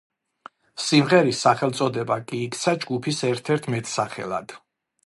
სიმღერის სახელწოდება კი იქცა ჯგუფის ერთ-ერთ მეტსახელად.